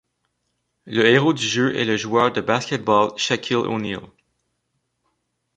Le héros du jeu est le joueur de basket-ball Shaquille O'Neal.